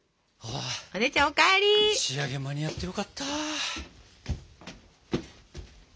あ仕上げ間に合ってよかった。